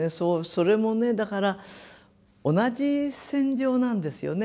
それもねだから同じ線上なんですよね